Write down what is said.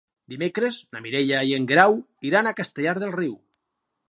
Dimecres na Mireia i en Guerau iran a Castellar del Riu.